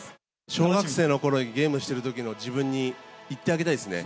小学生のころにゲームしてるときの自分に言ってあげたいですね。